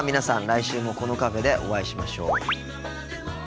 来週もこのカフェでお会いしましょう。